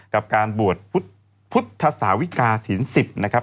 กับการบวชพุทธศาวิกาศีล๑๐นะครับ